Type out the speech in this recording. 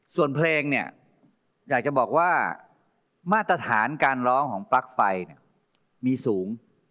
ส่วนเพลงเนี่ยอยากจะบอกว่ามาตรฐานการร้องของปลั๊กไฟเนี่ยมีสูง